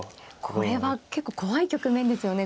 これは結構怖い局面ですよね